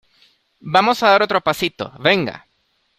vamos a dar otro pasito, venga.